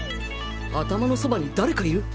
頭のそばに誰かいる！